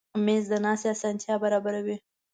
مېز د ناستې اسانتیا برابروي.